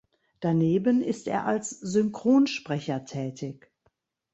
Daneben ist er als Synchronsprecher tätig.